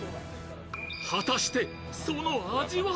果たして、その味は。